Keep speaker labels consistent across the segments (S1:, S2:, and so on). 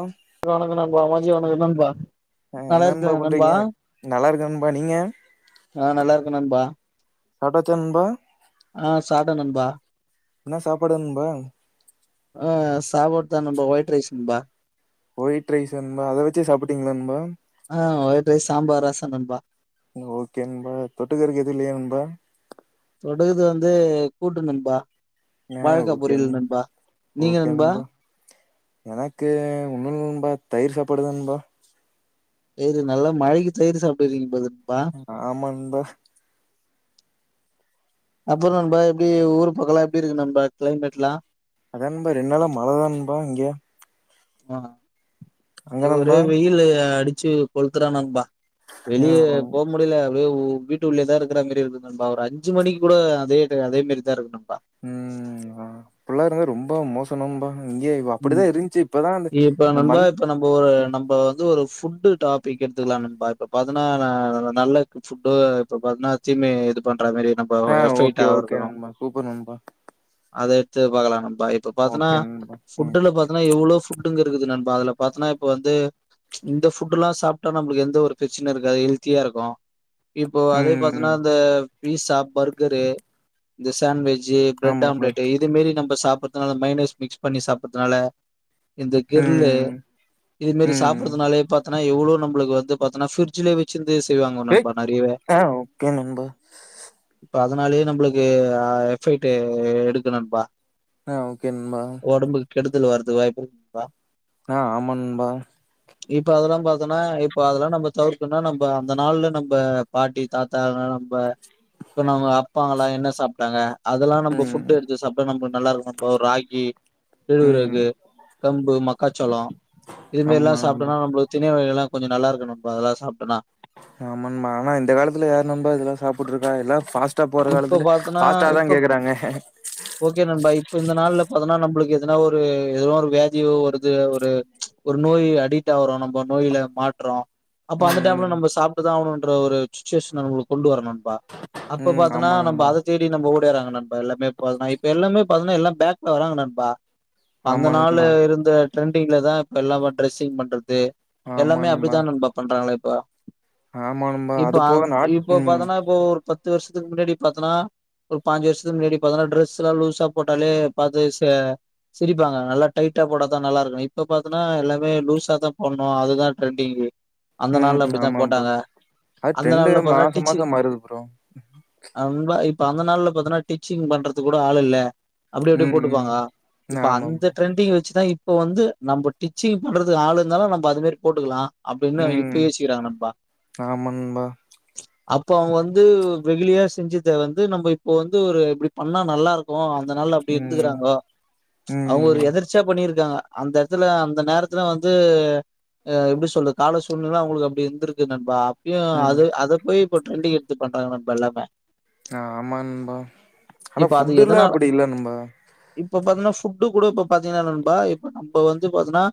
S1: ஆ
S2: வணக்கம் நண்பா கம் நண்பா
S1: அஹ் என்ன
S2: நல்லா
S1: நண்பா
S2: இருக்கே
S1: பண்றீங்க நல்லா இருக்கேன் நண்பா நீங்க
S2: ஆ நல்லா இருக்கே
S1: சாப்டாச்சா நண்பா
S2: ஆஹ் சாப்டேன் நண்பா
S1: என்ன சாப்பாடு நண்பா
S2: ஆஹ் சாப்பாடு தான் நண்பா ஒயிட் ரைஸ் நண்பா
S1: ஒயிட் ரைஸ் நண்பா அத வச்சே சாப்பிட்டீங்களா நண்பா
S2: ஆ ஒயிட் ரைஸ் சாம்பார் ரசோ நண்பா
S1: ஓகே நண்பா தொட்டுக்கருக்கு எதும் இல்லையா நண்பா
S2: தொட்டுக்குறதுக்கு வந்து கூட்டு நண்பா
S1: ஆஹ்
S2: வாழக்கா
S1: ஓகே நண்‌
S2: பொரியல் நண்பா நீங்க
S1: ஓகே
S2: நண்பா
S1: நண்பா‌ எனக்கு ஒன்னும் இல்ல நண்பா தயிர் சாப் அப்புடுதா நண்பா
S2: தயிரு நல்லா மழைக்கு தயிரு சாப்ட் இருக்கீங்க பிரதர்
S1: ஹ ஆமாங் ப்ரோ
S2: அப்புறம் நண்பா எப்படி ஊர் பக்கம்லாம் எப்படி இருக்கு நண்பா கிளைமேட்லாம்
S1: அதா நண்பா ரெண்ட்நாலா மழைதான் நண்பா இங்க அங்க
S2: ஆஹ் ஒரே
S1: நண்பா
S2: வெயில் அடிச் ச்சி கொழுத்துறான் நண்பா
S1: ஆ
S2: வெளியே போ முடில [unintelligible] வீட்டு உள்ளயே தான் இருக்கிற மாரி இருக்கு நண்பா ஒரு அஞ்சு மணிக்கு கூட அதே டை அதே மாரி தான் இருக்கு நன்
S1: உம் ஹா ஃபுல்லா ரொம்ப மோசனம்பா
S2: உம் இப்ப
S1: இந்த
S2: நண்பா
S1: மந்த்
S2: இப்ப நம்ம ஒரு நம்ம வந்து ஒரு ஃப் ஃபுட்டு டாபிக் எடுத்துக்கலா நண்பா இப்ப பாத்தன்னா நா நல்லக்கு ஃபுட்டு இப்ப பாத்தன்னா தீமை இது பண் ற நம்பா
S1: ஆ
S2: எஃப்ட்
S1: ஓகே
S2: ஆ
S1: ஓகே
S2: இருக்குறோம்
S1: நண்பா சூப்பர் நண்பா
S2: அது துல பாக்கலாம் நன் பா இப்ப பாத்தன்னா
S1: ஓகே நண்பா ம்
S2: ஃபுட்டுல பாத்தன்னா எவ்ளோ ஃபுட் ஃபுட்டுங்ககறது நண்பா அதுல பாத்தனா இப்ப வந்து ப்ச் இந்த ஃபுட் எல்லா சாப்பிட்டா நம்மளுக்கு எந்த ஒரு பிரச்சன இருக்காது ஹெல்தியா இருக்கு இப்போ அதே
S1: ம்
S2: பாத்தீனா
S1: ம்
S2: அந்த பீஸா பர்கரு இந்த சான்விச் பிரட்
S1: ஆமா ப்ரோ
S2: ஆம்லட் இது மாரி நம் சாப்பிடறதுனால மைனஸ் மிக்ஸ் பண்ணி சாப்பிடறதுனால இந்த கிர்லு
S1: ம்
S2: இது மாரி
S1: ம்
S2: சாப்பிடறதுனாலயே பாத் ஆனா எவ்ளோ நம்ள்க்கு வந்து பாத்தனா ஃபிரிட்ஜில்லயே வெ
S1: ஏக் ஆ ஓகே நண்பா
S2: இப்ப அதனாலயே நம்மளுக்கு எஃபெக்ட் எடுக்கு நண்பா
S1: ஆஹ் ஓகே நண்பா
S2: ஓடம்புக்கு கெடுதல் வர்ரதுக்கு வாய்ப்பிருக்கு நண்பா
S1: ஆஹ் ஆமா நண்பா
S2: இப்ப அதெல்லாம் பாத்தோனா இப்ப அதெல்லாம் நம்ம தவிர்க்கனு நம்ப அந்த நாள்ல நம்ப பாட்டி தாத்தா நம்ப இப்ப நம்ம அப்பாங்கெல்லா என்ன சாப்ட்டாங்க அதெல்லா நம்ம
S1: ம்
S2: ஃபுட் எடுத்து சாப்பிட்டா நமக்கு நல்லா இருக்கு நம்ம ராகி
S1: ம்
S2: கேழ்வரகு கம்பு மக்காச்சோளோ இது மாரி எல்லா
S1: ஆமா நண்பா
S2: சாப்பிட்டோனா நம்மளு திணை ஆஹ் எல்லா கொஞ்சொ நல்லா இருக்கு நண்பா அதுலா சாப்டனா
S1: ஆமண்பா ஆனா இந்த காலத்துல யாரு நண்பா இதுலா சாப்புட்ருக்கா எல்லா ஃபாஸ்ட் ட்டா போற
S2: இப்ப
S1: காலத்துல
S2: பாத்தோன்னா
S1: பாஸ்ட்டா தா
S2: இப்ப
S1: கேக்றாங்க
S2: ஓகே நண்பா இப்ப இந்த நாள்ல பாத்தனா நம்பளுக்கு எதனா ஒரு எதனா ஒரு வியாதியோ வருது ஒரு ஒரு நோய் அடிட் ஆகுறோ நம்ப நோயில மாட்றோ அப்ப
S1: ம்
S2: அந்த டைம்ல நம்ம சாப்ட்டுதா ஆவ்ணு ட்ற ஒரு சுச்சுவேஷன் நா உங்ளுக்கு கொண்டுவர நண்பா
S1: ம்
S2: இப்ப
S1: ம்
S2: பாத்தனா
S1: ஆமா
S2: நம்ப
S1: நண்பா
S2: அத தேடி நம்ப ஓடு வராங்கனா இப்ப எல்லாமே பாத்னா இப்ப எல்லாமே பாத்தனா எல்லா பேக்ல வராங்க நண்பா அந்த
S1: ஆமா
S2: நாளு
S1: நண்பா
S2: இருந்த ட்ரெண்ட் ட்ரீம்லதா இப்பெல்லாமா டிரெஸிங் பண்றது எல்லாமே அப்டிதா நண்பா பண்றாங்களே ஆ
S1: ஆமா நண்பா
S2: இப்ப அது
S1: போக நாட்
S2: இப்போ
S1: ம்
S2: பாத்தனா இப்போ ஒரு பத் பத்து வர்ஷத்துக்கு முன்னாடி பாத்தனா ஒரு பாஞ்சு வர்ஷத்துக்கு முன்னாடி பாத்தனா டிரெஸ்சுலா லூசா போட்டாலே பாத்து ச சிரிப்பாங்க நல்லா டைட்டா போட்டாதா நல்லா இருக்குனு இப்ப பாத்தனா எல்லாமே லூஸா தா போடணு அதுதா ட்ரெண்டிங்கு அந்த நாள்ல
S1: ம்
S2: அப்படிதான்
S1: ஆமாம் ப்ரோ
S2: போட்டாங்க.
S1: அது ட்ரெண்டு மாச மாச மாறுது ப்ரோ
S2: அங்க அ இப்ப அந்த நாள்ல பாத்தனா டிச்சிங் பண்றதுக்கூட ஆள் இல்ல அப்டி எப்டி
S1: ம் ம்
S2: போட்டுக்வாங்க இப்ப
S1: ஆமா
S2: அந்த
S1: ப்ரோ
S2: ட்ரெண்டிங் வெச்சுதா இப் இப்ப வந்து நம்ப டிச்சிங் பண்றதுக்கு ஆள் இருந்தாலு நம்ப அதுமாரி போட்டுக்லா அப்டினு இப்ப
S1: ம்
S2: யோசிக்கிறாங்க நண்பா
S1: ஆமா நண்பா
S2: அப்ப அவ வந் து வெகுளியா செஞ்சத வந்து நம்ப இப்ப வந்து ஒரு இப்டி பண்ணா நல்லா இருக்கு அ அதனால அப்டி
S1: ம்
S2: இருந்துக்றாங்கோ அவங்க ஒரு
S1: ம்
S2: எதர்ச்சயா பண்ணிருக்காங்க அந்த எடத்ல அந்த நேரத்துல வந்து அ எப்டி சொல்லுது கால சூழ்நில அவுங்களுக்கு அப்டி இருந்ருக்கு நண்பா யு
S1: ம்
S2: அது அத போய் இப்ப ட்ரெண்டிங் த்து பண்றாங்க நண்பா எல்லாமே
S1: ஆ ஆமா நண்பா ஆனா புட்டுல்லா அப்டி இல்ல நண்பா
S2: இப்பொ பாத்ன்னா ஃபுட்டு கூட இப்பொ பாத்திங்ன்னா நண்பா இப் இப்ப வந்து பாத்தன்னா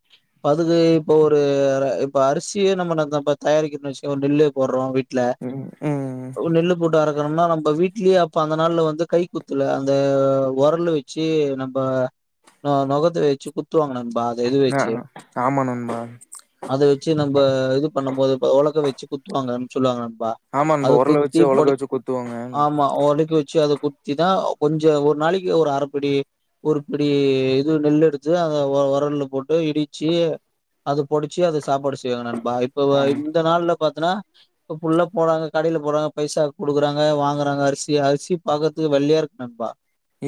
S2: பதுகு இப்பொ ஒரு இப்ப அரிசியே நம்ம ந தப் தயாரிக்கிரொன் வெச்சுக்கோ நெல்லே போட்றோ
S1: ம் உம்
S2: ஒ நெல்லு போட்டு அர கனும்னா நம்ப வீட்லியே அப்ப அந்த நாள்ல வந்து கை குத்துல அந்த ஒரலு வெச்சு நம்ப நொ நொகத்த வெச்சு குத்துவாங்க நண்பா இது வச்சு
S1: ஆஹ ஆமா நண்பா
S2: ப இது பண்ணும் போது ஒலக்க வெச்சு குத்துவாங்க சொல்லுவாங்லம்
S1: ஆமா
S2: அது
S1: நண்பா ஒரல
S2: குத்தி
S1: வச்சு ஒலக்க
S2: பொடிக்
S1: வச்சு குத்துவாங்க
S2: ஆமா ஒரைக்கு வெச்சு அது குத்திதான் கொஞ்சம் ஒரு நாளைக்கு ஒரு அரைப்பிடி ஒரு பிடி இது நெல் எடுத்து அத ஒரல்ல போட்டு இடிச்சு அத பொடிச்சி அத சாப்பாடு செய்வாங்க நண் ப இப்ப
S1: ஆமா
S2: இந்த நாள்ல பா நா இப்ப புள்ள போறாங்க கடையில போறாங்க பைசா குடுக்குறாங்க வாங்குறாங்க அரிசி அரிசி பாக்கறதுக்கு வெள்ளியா இருக்கு நண்பா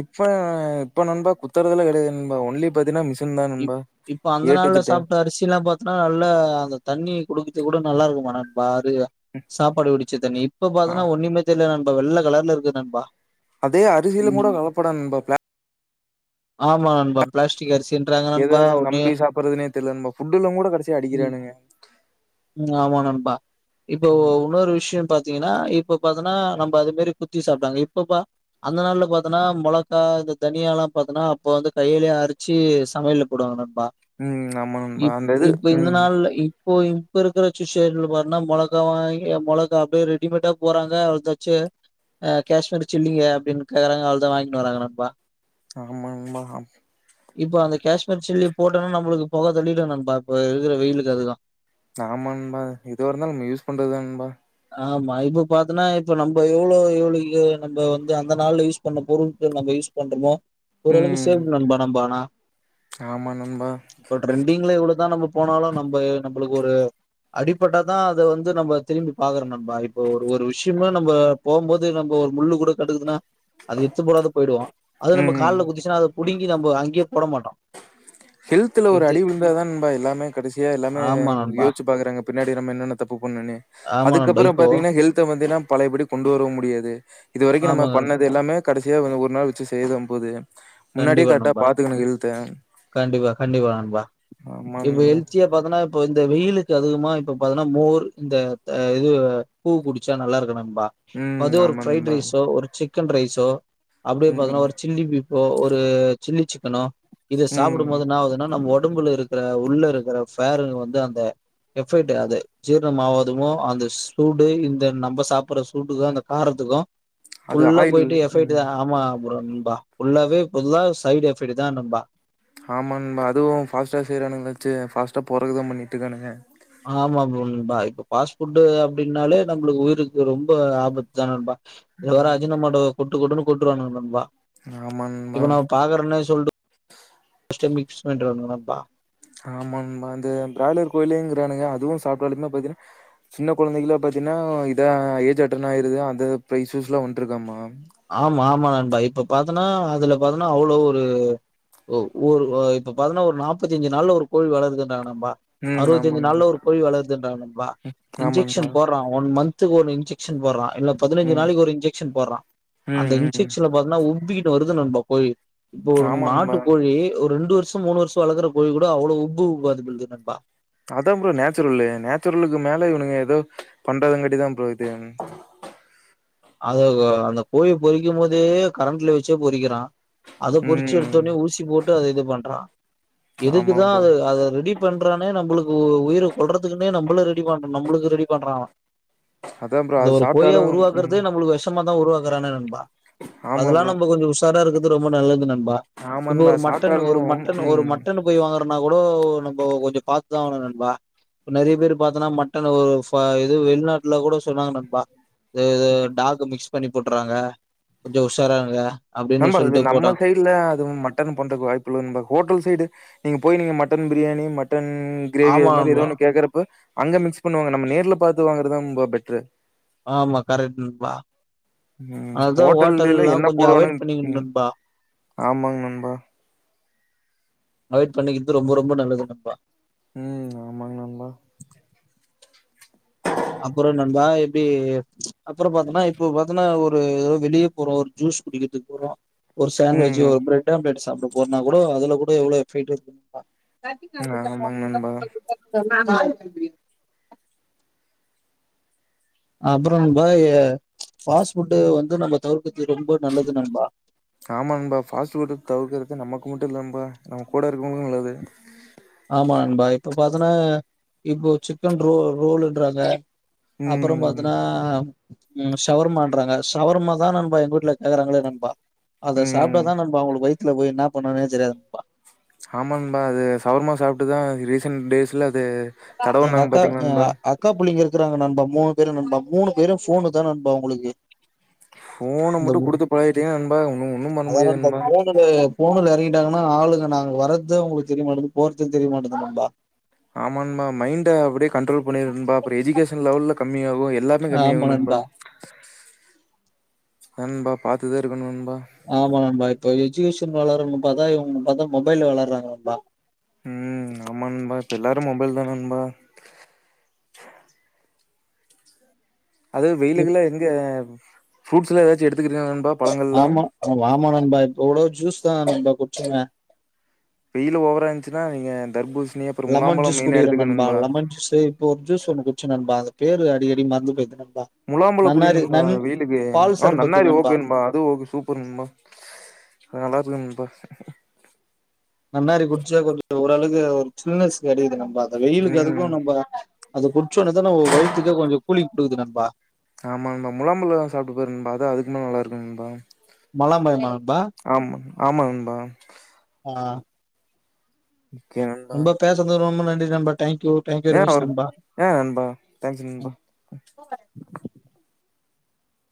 S1: இப்ப இப்ப நண்பா குத்துறதுல கெடையாதுபா ஒன்லி பாத்தீங்கன்னா மிஷ்
S2: இப் இப்ப அந்த நாள்ல சாப்ட்ட அரிசி எல்லாம் பாத்தோன்னா நல்லா அகாத் தண்ணி குடுக்கது கூட நல்லா இருக்குமா நண்பா சாப்பாடு வடிச்சு தண்ணி இப்ப
S1: ஆ
S2: பாத்தன்னா ஒன்னுமே தெரிலயெ நண் வெள்ள கலர்ல இருக்கு நண்பா
S1: அதே அரிசியிலும் கூட
S2: ம்
S1: கலப்பட நண்பா பிளா
S2: ஆமா நண்பா பிளாஸ்டிக் அரிசின்றாங்க
S1: எத
S2: நண்பா ஒன்னே
S1: நம்பி சாப்பிடடுறதுனே தெரில நம்மா ஃபுட் எல்லாம் கூட கடைசியா அடிக்கிறானுங்க
S2: உம் ஆமா நண்பா இப்போ உன்னொரு விஷயம் பாத்த கன்னா இப்ப பாத்தன்னா நம்ம அது மாதி குத்தி சாப்ட்டாங்க இப்ப பா அந்த நாள்ல பாத்தன்னா மொளகா இந்த தனியா எல்லாம் பாத்தன்னா அப்ப வந்து கையிலேயே அரிச்சு சமையல போடுவாங்க
S1: ம் ஆம நண்பா அந்த இது ம்
S2: போய் இப்ப இருக்கிற ஷூ விஷன் போய் மிளகா வாங்கி மிளகா அப்படியே ரெடிமேடா போறாங்க அவளதாச்சுஹ் காஷ்மீரி சில்லிங்க அப்படின்னு கேக்குறாங்க அவளதான் வாங்கிட்டு வறாங்க ந்பா
S1: ஆமா நண்பா ஆமா ஆ
S2: இப்ப அந்த காஷ்மீர் சில்லி போட்டேனா நம்மளுக்கு புகை தெளிடு நண்பா இப்ப இருக்கிற வெயிலுக்கு அதுக்கு
S1: ஆமா நண்பா எதுவா இருந்தாலும் நம்ம யூஸ் பண்றதுா நண்பா
S2: ஆமா இப்ப பாத்தன்னா இப்ப நம்ம எவ்வளோ எவ்வளோ நம்ம வந்து அந்த நாள்ல யூஸ் பண்ண பொரு நம்ம யூஸ் பண்றோமோ ஓரளவு
S1: ம்
S2: சேவ் நண்பா நம்ம ஆனா
S1: ஆமா நண்பா
S2: இப்ப டரெண்டிங்ல எவ்வளவுதான் நம்ம போனாலும் நம்ம நம் நம்மளுக்கு ஒரு அடிப்பட்டாதான் அதை வந்து நம்ம திரும்பி பாக்குறோம் நண்பா இப்ப ஒரு ஒரு விஷயமே நம்ம போகும்போது நம்ம ஒரு முள்ளு கூட கடுக்குதுன்னா அது எத்து போடாத போயிடுவோம் அது நம்ம
S1: ம்
S2: கால குதிச்சுன்னா அதை புடிங்கி நம அங்கே போட மாட்டோ
S1: ஹெல்தல ஒரு
S2: எடுத்து
S1: அடி விலுந்தாதான் நண்பா எல்லாமே கடைசியா இல்ல
S2: ஆமா நண்பா
S1: யோசிச்சு பாக்குறாங்க பின்னாடி நம் என்ன என்ன தப்பு பொண்ணுு
S2: ஆமா நண்பா
S1: அதுக்கப்புறம்
S2: இப்போ
S1: பாத்தீங்கன்னா ஹெல்த வந்துன்னா பழையபடி கொண்டுுவர முடியாது இது வரைக்கும் நம்ம
S2: ஆமாங்க
S1: பண்ணது எல்லாமே கடைசியா அவர ஒரு நாள் வச்சு செய்தா போது முன்னாடியே
S2: கண்டிப்பா
S1: கரெக்டா
S2: நண்பா
S1: பாத்துக்கணு ஹெல்த்த
S2: கண்டிப்பா கண்டிப்பா நண்பா
S1: ஆமா
S2: இப்போ
S1: நண்பா
S2: ஹெல்தியா பாத்தன இந்த வெயிலுக்கு அதிகமா இப்ப பாதிங்கான மோர் இந்த இது கூழு குடிச்சா நல்லா இருக்கு நண் பா
S1: ம்
S2: அது ஒரு
S1: ஆமா
S2: ஃப்ரைடு
S1: நண்பா
S2: ரைஸோ ஒரு சிக் சிக்கன் ரைஸோ அப்டியே
S1: ம்
S2: பாத்திங்கன்னா ஒரு சில்லி பி இப்போ ஒரு சில்லி சிக்கனோ இத சாப்புடு
S1: ம்
S2: போது என்ன ஆவுதுன்னா நம்ம உடம்புல இருக்ற உறுபு உள்ள இருக்ற ஃபேருங்க வந்து அந்த எஃபெக்ட் அது ஜீரணமாவதுவு அந்த சூடு இந்த நம்ம சாப்புடுற சூட்டுக்கு அந்த காரத்துக்கு
S1: அது
S2: உள்ள
S1: ஆயில்
S2: போய்ட்டு எஃபெக்ட்டு
S1: ம்
S2: தா ஆமா ப்ரோ ண்பா புல்லாவே இப்ப சைடு் எஃபெக்ட் தான் நண்பா
S1: ஆமா நண்பா அதுவு ஃபாஸ்ட்டா செய்றானுங்க நெனச்சு ஃபாஸ்ட்டா போறதுக்குதா பண்ணிட்டு இருக்கானுங்க
S2: ஆமா ப்ரோ நண்பா இப்ப ஃபாஸ்ட்புட் அப்டின்னாலே நம்ளுக்கு உயிருக்கு ரொம்ப ஆபத்து தான் நண்பா இதுல வேற
S1: ம்
S2: அஜினமோட்டொ கொட்டு கொட்டுனு கொட்ரானுக நண்பா
S1: ஆமா நண்பா
S2: இப்ப நா பாக்றேனெ சொல்டு [unintelligible] [unintelligible] பண்றா ஒரு நெனப்பா ந
S1: ஆமா நண்பா அந்த பிராய்லர் கோழிங்றானுங்க அதுவு சாப்டாலுமே பாத்தினா சின்ன கொழந்தையில பாத்தினா இதா ஏஜ் அட்டர்ன் ஆயிருது அந்த இஸ்யூஸ்லாம் வந்துருக்காமா
S2: ஆமா ஆமா நண்பா இப்பொ பாத்தன அதுல பாத்தன அவ்ளோ ஒரு ஒ ஒரு ஆஹ் இப்ப பாத்தன ஒரு நாப்பத்தி அஞ்சு நாள்ல ஒரு கோழி வளருதுன் [unintelligible] நண்பா
S1: ம்
S2: அறுவத்தி அஞ்சு
S1: ஆமாங்மா
S2: நாள்ல ஒரு கோழி வளருதுன்ரா நண்பா இன்ஜெக்ஷன்
S1: ஆமாங்மா
S2: போட்றா ஒன் மன்த் மன்த்க்கு ஒரு இன்ஜெக்ஷன் போட்றா இல்ல பதினஞ்சு
S1: ம்
S2: நாளைக்கு ஒரு இன்ஜெக்ஷன் போடுறா அந்த
S1: ம் ம்
S2: இன்ஜெக்ஷன்ல பாத்தின உப்க்கிட்டு வருது நண்பா கோழி இப்போ ஒரு
S1: ஆமா
S2: நாட்டு
S1: நண்பா
S2: கோழி ஒரு ரெண்டு வர் ர்ஷோ மூணு வர்ஷோ வளக்ற கோழி கூட அவ்ளோ உபு உபாது நண்பா
S1: அதா ப்ரோ நேச்ரல்லு நேச்ரலுக்கு மேல இவுனுங்க ஏதோ பண்றதுங்காட்டித ப்ரோ இது
S2: அது அந்த கோழி பொறிக்கு போதே கரண்ட்ல வச்சே பொறிக்றா அத பொறிச்சு
S1: ம்
S2: எடுத்தொனே ஊசி போ டு அத இது பண்றான்
S1: ஆமா
S2: எதுக்குதா
S1: ப்ரோ
S2: அத அத ரெடி பன்றானே நம்மளுக்கு உயிர கொல்லறதுக்குனே நம்மள ரெடி பண்ணனு நம்மளுக்கு ரெடி பண்றா அவ
S1: அதான் ப்ரோ அது சாப்டானா உம்
S2: அது நம்மளுக்கு வெஷம் மருந் உருவாக்குறானே நண்பா
S1: ஆமா
S2: அதெல்லாம்
S1: ப்ரோ
S2: நம்ம கொஞ்ச உஷாரா இருக்கணும் அது ரொம்ப நல்லது நண் பா
S1: ஆமா
S2: இப்ப
S1: நண்பா
S2: ஒரு மட்டன் ஒரு
S1: சாப்ட்டாலு
S2: மட்டன் ஒரு
S1: ம்
S2: மட்டன் போய் வாங்குறனா கூட இப்போ நம்போ கொஞ்சம் பாத்துதான் வாங்கணும் நண்பா நெறைய பேர் பாத்தோனா மட்டன ஒரு ஃபா இது வெளிநாட்டுல கூட சொன்னாங்க நண்பா இது இது டாக் மிக்ஸ் பண்ணி போட்டுறாங்க கொஞ்ச உஷாரா இருங்க
S1: நண்பா இது நம்ம சைடுல அதுவும் மட்டன் பண்றதுக்கு வாய்ப்பில்ல நண்பா. ஹோட்டல் சைடு நீங்க போய் நீங்க மட்டன் பிரியாணி மட் மட்டன் கிரேவி
S2: ஆமா
S1: அது மாதிரி ஏதோ
S2: நண்பா
S1: ஒன்னு கேக்குறப்போ அங்க மிக்ஸ் பண்ணுவாங்க நம்ம நேர்ல பாத்து வாங்குறது தான் ரொம்ப பெட்ரு
S2: ஆமா கரெக்ட் நண்பா
S1: ம்
S2: அதனாலதா
S1: ஹோட்டல்லேல
S2: ஹோட்டல்லா
S1: என்ன
S2: கொஞ்சோ அவாய்ட்
S1: போடுவானுங்
S2: பண்ணிக்கணு
S1: ம்
S2: நண்பா
S1: ஆமாங் நண்பா
S2: நவய்ட் பண்ணிக்கிற்து ரொம்ப ரொம்ப நல்லது நண்பா
S1: ம் ஆமாங் நம்பா
S2: அப்புற நண்பா எப்டி அப்புற பாத்தன்னா இப்போ பாத்தன்னா ஒர் ரு யோ வெளிய போறோ ஒரு ஜூஸ் குடிக்கிற்துக் போறோ ஒர்
S1: ம்
S2: சாண்விச்சி
S1: ம்
S2: ஒர் பிரட் ஆம்லெட் சாப்டப் போற்னா கூட அதுல கூட எவ்ளோ ஃபீட் இர்க்குன் ப ட்ராஃப்பிக்னாள்
S1: ம்
S2: துக்கர்ரா
S1: ஆமாங்க நண்பா.
S2: [unintelligible] [unintelligible] [unintelligible] அப்புறொ ரும்ப எ ஃபாஸ் ஃபுட்டு வந்து நம்ம தவுர்கத்தி ரொம்ப நல்லது நண்பா
S1: ஆமங்பா ஃபாஸ்ட் ஃபுட்டு தவுக்கற்து நமக்கு முட்டு இல்ல அம்பா நம்ம கூட இர்க்குவுங்ளுக்கு நல்லது
S2: ஆமா அண்பா இப்போ பாத்தனா இப்போ சிக்கன் ரோ ரோலுன்றாங்க அப்பற
S1: ம்
S2: பாத்தனா ம் ஷவர்மான்றாங்க ஷவர்மா தா நண்பா எங் ஊட்ல கேகறாங்களே நண்பா அத சாப்ட்டா
S1: ம்
S2: தா நம்பா அவுங்ளுக்கு வை ட்ல போய் என்ன பண்ணும்னே தெரியாதும்ப்பா
S1: ஆமாம்பா அது சவர்மா சாப்ட்டுதா ரீசன்ட் டேஸ்ல அது
S2: எங்
S1: தடவுனாங்க
S2: அக்கா
S1: பாத்தீங்களா
S2: எ
S1: நண்பா?
S2: அக்கா புள்ளிங்க இர் க்கிறாங்க நண்பா மூணு பேரு நண்பா மூணு பேரு போனு தா நண்பா அவுங்குளுக்கு
S1: போன மட்டு குடுத்து பழகிட்டீங் நண்பா இவ்னு ஒன்னு பண்ண முடியாது ண்பா
S2: டங்னா ஆளுங்க நாங்க வர்த்தே அவுங்ளுக் தெரிய மாட்டது போறத்து தெரிய மாட்டன்து நம்பா
S1: ஆமாங்மா மைண்ட அப்புடே கண்ட்ரோல் பண்ணிருங்பா அப்புற எஜுகேஷன் லெவல்ல கம்மியா ஒ எல்லாமே
S2: ஆமா
S1: கம்மியாகு நம்பா
S2: நண்பா.
S1: நண்பா பாத்துதே இருக்குணும்
S2: ஆம நண்பா இப்ப வி சூஷன் வளரரும்னு பாத்தா இவுங்கு பாத்தா மொபைல்ல வெளாற்றாங்க நண்பா
S1: ம் அமங்பா எல்லாரு மொபைல் தா நண்பா அது
S2: இப்
S1: வெயிலுக்குலா இங்க ஃப்ரூட்ஸுலா எதாச்சு எடுத்
S2: ஆமா வாமா நண்பா இப்ப கூட ஜூஸ் தா நண்பா குட்ச்சீங்க
S1: வெயிலு ஓவரா இந்ச்சினா நீங்க தர்பூஸ்
S2: லெமன் ஜூஸ் குடிக்கிற நண்பா லெமன் ஜூஸு இப்ப ஒரு ஜூஸ் ஒன்னு குட்ச்ச நண்பா பேரு அடிக்கடி மற்ந்து பேயிற்து ந
S1: முலாம்பழம் குடி நண்பா வெயிலுக்கு
S2: பால்
S1: ஆ
S2: சர்பத்து
S1: நன்னாரி ஓகே நண்பா அது ஓகே சூப்பர் நண்பா அ நல்லாருக்கு நண்பா
S2: ன்னாரி குடிச்சா கொஞ்சோ ஒரளவுக்கு ஒரு சில்னஸ் கிடைக்குது நாண் ப்ப அந்த வெயிலுக்கு
S1: ம்
S2: அதுக்கும் நம்ம அத குடிச்சோன்னதா ஒ வயித்துக்கே கொஞ்சோ குளிங் டுது நண்பா
S1: ஆமா நண்பா முலாம்பழோ சாப்டு பாரு நண்பா அது அதுக்கு மேல நல்லா இருக்கு நண்பா
S2: மலம்பாய்மா நண்பா
S1: ஆமா ஆமா நண்பா.
S2: ஆ ரொம்ப பேசுரது ரொம்ப நன் டிசம்பர்
S1: ஏன் அவரு ஏ நண்பா தேங்க்ஸ்
S2: ஆ
S1: நண்பா